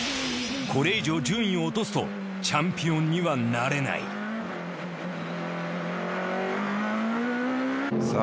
これ以上順位を落とすとチャンピオンにはなれないさあ